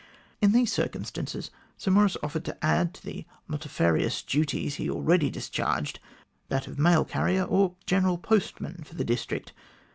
In these circumstances, Sir Maurice offered to add to the multifarious duties he already discharged that of mail carrier or general postman for the district.